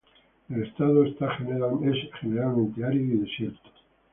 El estado es generalmente árido y desierto.